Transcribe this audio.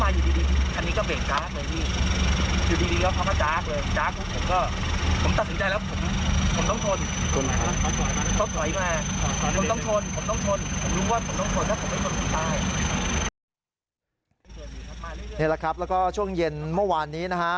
นี่แหละครับแล้วก็ช่วงเย็นเมื่อวานนี้นะฮะ